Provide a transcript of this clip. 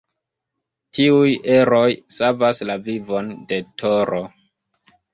Tiuj eroj savas la vivon de Toro.